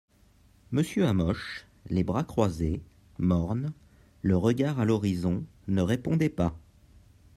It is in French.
Monsieur Hamoche, les bras croises, morne, le regard a l'horizon, ne répondait pas.